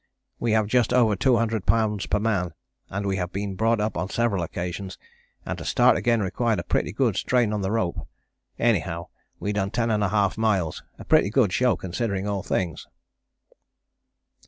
We have just over 200 lbs. per man, and we have been brought up on several occasions, and to start again required a pretty good strain on the rope, anyhow we done 10½ miles, a pretty good show considering all things.